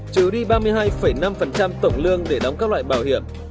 trừ đi ba mươi hai năm tổng lương để đóng các loại bảo hiểm